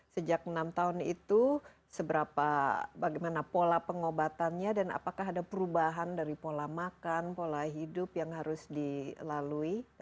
sejak enam tahun itu bagaimana pola pengobatannya dan apakah ada perubahan dari pola makan pola hidup yang harus dilalui